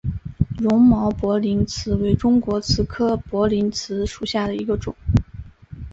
绒毛薄鳞蕨为中国蕨科薄鳞蕨属下的一个种。